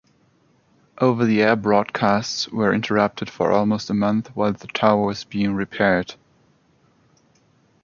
Over-the-air broadcasts were interrupted for almost a month while the tower was being repaired.